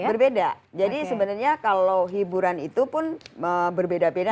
berbeda jadi sebenarnya kalau hiburan itu pun berbeda beda